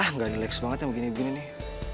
ah nggak nilai kesempatan yang begini begini nih